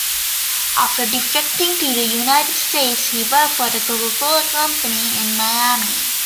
After defecting to the United States, he worked for The Coca-Cola Company in Miami.